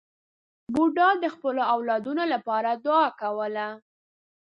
بوډا د خپلو اولادونو لپاره دعا کوله.